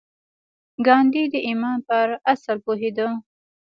ګاندي د ايمان پر اصل پوهېده.